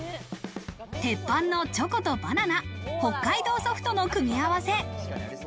鉄板のチョコとバナナ、北海道ソフトの組み合わせ。